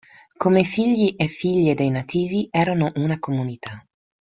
Come figli e figlie dei nativi erano una comunità.